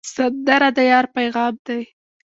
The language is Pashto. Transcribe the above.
سندره د یار پیغام دی